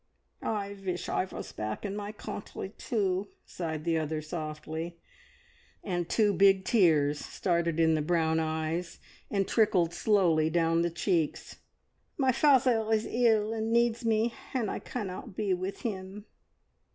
"I vish I was back in my countree, too," sighed the other softly, and two big tears started in the brown eyes, and trickled slowly down the cheeks. "My father is ill, and needs me, and I cannot be with him.